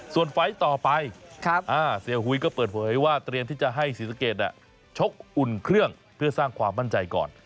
ส่วนไฟล์ต่อไปเสียหุยก็เปิดเผยว่าเตรียมที่จะให้ศรีสะเกดชกอุ่นเครื่องเพื่อสร้างความมั่นใจก่อน